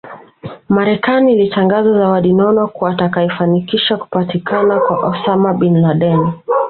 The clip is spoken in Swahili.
Marekani ilitangaza zawadi nono kwa atakayefanikisha kupatikana kwa Osama Bin Laden